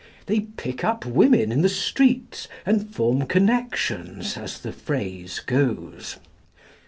They pick up women in the streets, and form connections, as the phrase goes.